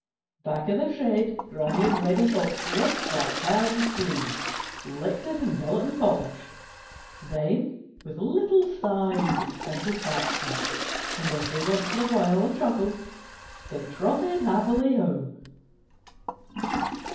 Back of the shed Granny and Reddy Fox licked that pan clean; licked it until it was polished. Then, with little sighs of satisfaction, and every once in a while a chuckle, they trotted happily home.